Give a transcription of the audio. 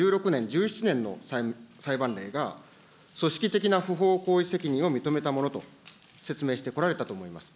２０１６年、１７年の裁判例が、組織的な不法行為責任を認めたものと説明してこられたと思います。